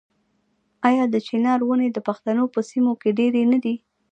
آیا د چنار ونې د پښتنو په سیمو کې ډیرې نه دي؟